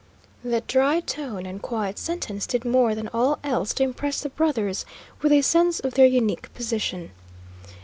That dry tone and quiet sentence did more than all else to impress the brothers with a sense of their unique position.